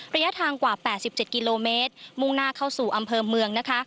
ระยะทางกว่า๘๗กิโลเมตรมุ่งหน้าเข้าสู่อำเภอเมืองนะคะ